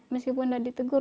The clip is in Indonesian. meskipun tidak ditegur